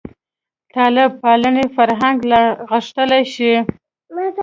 طالب پالنې فرهنګ لا غښتلی شي.